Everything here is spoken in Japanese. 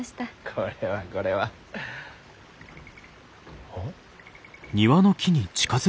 これはこれは。ああ？